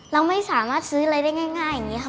เราไม่สามารถซื้ออะไรได้ง่ายอย่างนี้ค่ะ